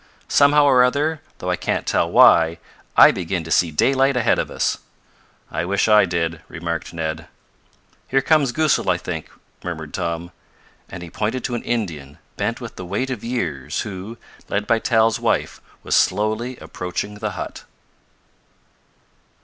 Somehow or other, though I can't tell why, I begin to see daylight ahead of us." "I wish I did," remarked Ned. "Here comes Goosal I think," murmured Tom, and he pointed to an Indian, bent with the weight of years, who, led by Tal's wife, was slowly approaching the hut.